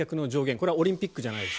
これはオリンピックじゃないです